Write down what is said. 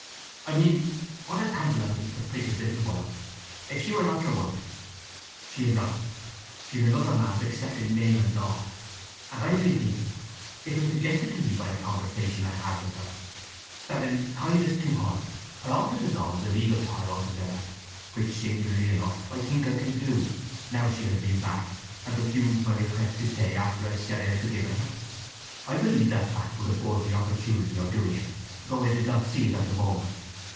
"I mean, what a tantalizing, capricious little woman! If she were not your wife—" "She is not; she's another man's except in name and law. And I have been thinking—it was suggested to me by a conversation I had with her—that, in kindness to her, I ought to dissolve the legal tie altogether; which, singularly enough, I think I can do, now she has been back, and refused my request to stay after I said I had forgiven her. I believe that fact would afford me opportunity of doing it, though I did not see it at the moment.